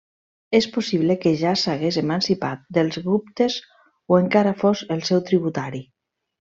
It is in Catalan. És possible que ja s'hagués emancipat dels guptes o encara fos el seu tributari.